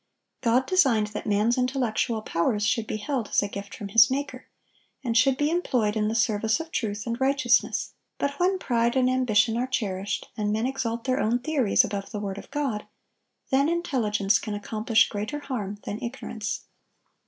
God designed that man's intellectual powers should be held as a gift from his Maker, and should be employed in the service of truth and righteousness; but when pride and ambition are cherished, and men exalt their own theories above the word of God, then intelligence can accomplish greater harm than ignorance.